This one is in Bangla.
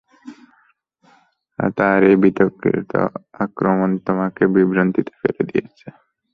তার এই অতর্কিত আক্রমণ তোমাকে বিভ্রান্তিতে ফেলে দিয়েছে।